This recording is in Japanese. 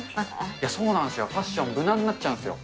そうなんですよ、ファッション、無難になっちゃうんですよ。